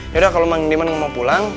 yaudah kalau emang diman mau pulang